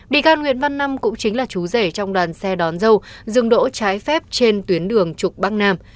bị can nguyễn văn năm cũng chính là chú rể trong đoàn xe đón dâu dừng đỗ trái phép trên tuyến đường trục bắc nam